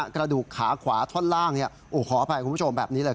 กระดูกขาขวาท่อนล่างขออภัยคุณผู้ชมแบบนี้เลย